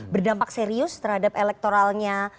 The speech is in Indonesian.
berdampak serius terhadap elektoralnya